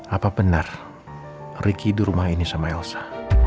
apa benar riki hidup di rumah ini sama elsa